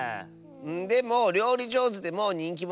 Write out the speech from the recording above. でもりょうりじょうずでもにんきものになれるよ。